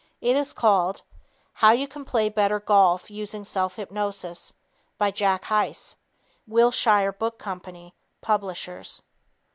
It is called How You Can Play Better Golf Using Self Hypnosis by Jack Heise (Wilshire Book Company Publishers).